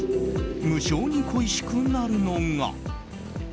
無性に恋しくなるのが。